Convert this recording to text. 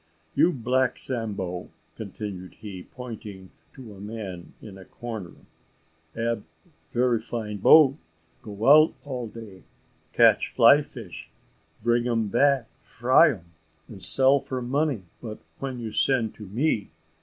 You black Sambo," continued he, pointing to a man in a corner, "ab very fine boat, go out all day, catch fly fish, bring um back, fry um, and sell for money: but when you send to me?